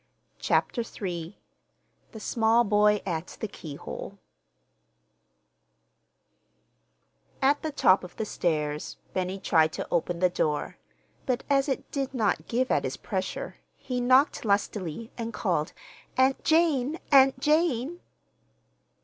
CHAPTER III THE SMALL BOY AT THE KEYHOLE At the top of the stairs Benny tried to open the door, but as it did not give at his pressure, he knocked lustily, and called "Aunt Jane, Aunt Jane!"